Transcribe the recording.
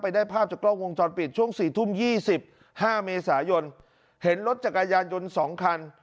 ไปได้ภาพจากกล้องวงจอดปิดช่วงสี่ทุ่มยี่สิบห้าเมษายนเห็นรถจักรยานยนต์สองคัน